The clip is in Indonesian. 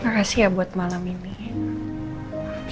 terima kasih ya buat malam ini